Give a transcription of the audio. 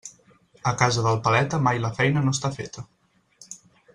A casa del paleta mai la feina no està feta.